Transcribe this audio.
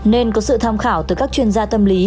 nên có sự tham khảo từ các chuyên gia tâm lý